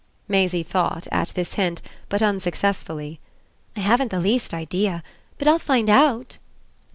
Maisie thought, at this hint; but unsuccessfully. "I haven't the least idea. But I'll find out."